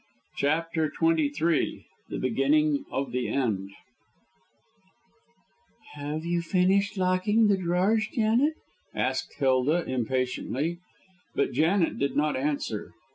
CHAPTER XXIII THE BEGINNING OF THE END "Have you finished locking the drawers, Janet?" asked Hilda, impatiently. But Janet did not answer.